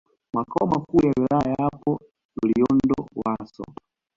Makao Makuu ya Wilaya yapo Loliondo Wasso